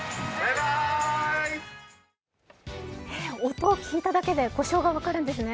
音を聞いただけで故障が分かるんですね。